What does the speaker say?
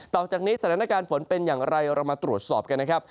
ต่อจากนี้สถานการณ์ฝนเป็นอย่างไรเรามาตรวจสอบกันนะครับ